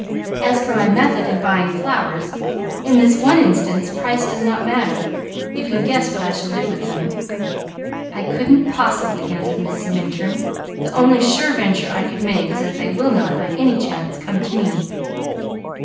As for my method in buying flowers, in this one instance, price does not matter. You can guess what I shall do with them." "I couldn't possibly!" answered Mrs. Minturn. "The only sure venture I could make is that they will not by any chance come to me."